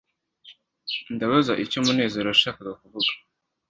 ndabaza icyo munezero yashakaga kuvuga